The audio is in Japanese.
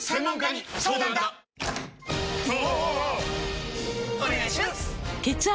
お願いします！！！